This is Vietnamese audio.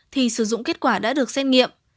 thì sử dụng kết quả đã được xét nghiệm